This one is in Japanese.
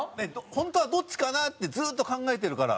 本当はどっちかなってずっと考えてるから。